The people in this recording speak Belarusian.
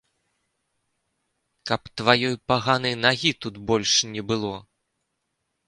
Каб тваёй паганай нагі тут больш не было!